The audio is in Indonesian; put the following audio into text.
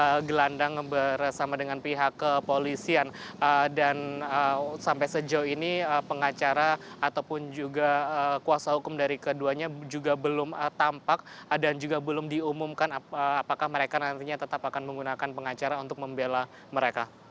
ada gelandang bersama dengan pihak kepolisian dan sampai sejauh ini pengacara ataupun juga kuasa hukum dari keduanya juga belum tampak dan juga belum diumumkan apakah mereka nantinya tetap akan menggunakan pengacara untuk membela mereka